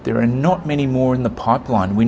tapi tidak banyak lagi di dalam jaringan